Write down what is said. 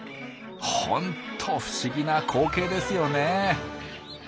ホント不思議な光景ですよね。